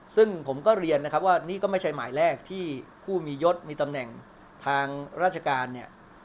ซึ่งผมก็เรียนนะครับว่านี่ก็ไม่ใช่หมายแรกที่ผู้มียศมีตำแหน่งทางราชการเนี่ย